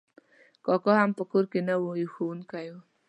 کاکا هم په کور نه و، یو ښوونکی و.